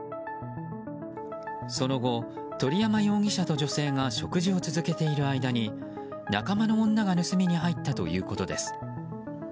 その後、鳥山容疑者と女性が食事を続けている間に仲間の女が盗みに入ったということです。